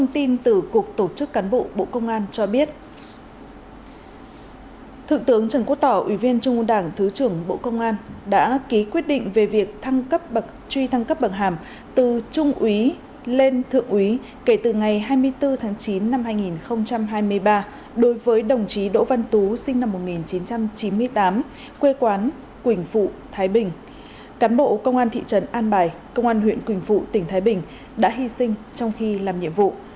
trong năm một nghìn chín trăm chín mươi tám quê quán quỳnh phụ thái bình cán bộ công an thị trấn an bài công an huyện quỳnh phụ tỉnh thái bình đã hy sinh trong khi làm nhiệm vụ